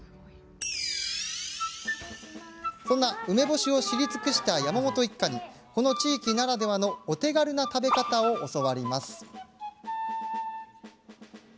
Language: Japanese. そんな梅干しを知り尽くした山本一家にこの地域ならではのお手軽な食べ方を教わります。